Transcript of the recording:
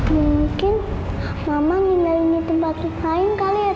mungkin mama tinggal di tempat lain kali ya